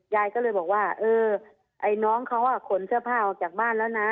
ยายก็เลยบอกว่าเออไอ้น้องเขาขนเสื้อผ้าออกจากบ้านแล้วนะ